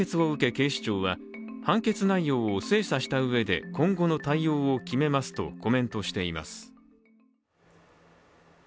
警視庁は、判決内容を精査したうえで今後の対応を決めますとコメントしています。